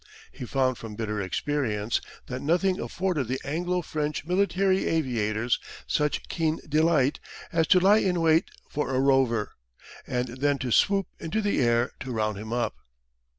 He found from bitter experience that nothing afforded the Anglo French military aviators such keen delight as to lie in wait for a "rover," and then to swoop into the air to round him up.